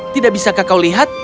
tidak bisakah kau lihat